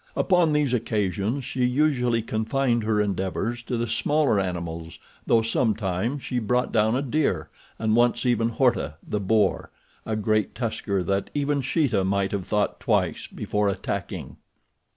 Upon these occasions she usually confined her endeavors to the smaller animals though sometimes she brought down a deer, and once even Horta, the boar—a great tusker that even Sheeta might have thought twice before attacking.